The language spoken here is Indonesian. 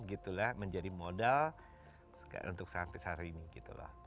gitu lah menjadi modal untuk sampai hari ini